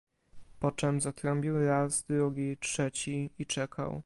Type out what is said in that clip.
"Poczem zatrąbił raz drugi, trzeci i czekał."